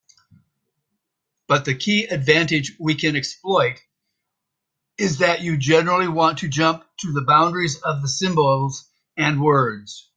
But the key advantage we can exploit is that you generally want to jump to the boundaries of symbols and words.